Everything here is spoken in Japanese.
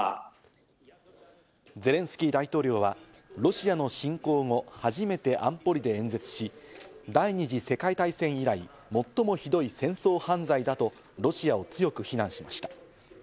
ゼレンスキー大統領はロシアの侵攻後初めて安保理で演説し、第二次世界大戦以来、最もひどい戦争犯罪だとロシアを強く非難しました。